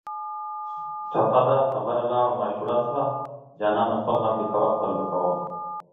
ټپه ده: خبره لاړه ماشوړه شوه جانانه خپل غم دې کوه خپل به کومه